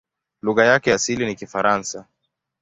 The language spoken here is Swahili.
Lugha yake ya asili ni Kifaransa.